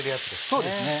そうですね。